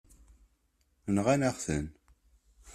Nɣan-aɣ-ten.